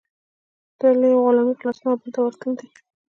دا له یوې غلامۍ خلاصون او بلې ته ورتلل دي.